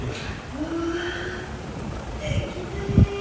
うわすてきな絵！